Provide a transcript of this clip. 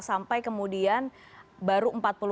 sampai kemudian baru